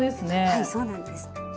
はいそうなんです。